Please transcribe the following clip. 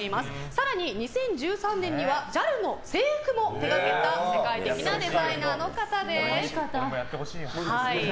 更に２０１３年にはＪＡＬの制服も手がけた世界的なデザイナーの方です。